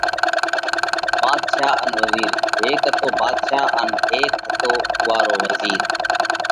ڀاڌشا ان وزِير:هيڪ هتو ڀاڌشا ان هيڪ هتو اُوئا رو وزِير۔